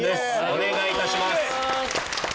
お願いいたします。